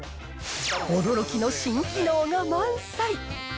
驚きの新機能が満載。